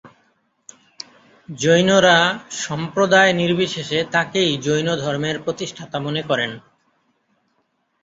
জৈনরা সম্প্রদায়-নির্বিশেষে তাকেই জৈনধর্মের প্রতিষ্ঠাতা মনে করেন।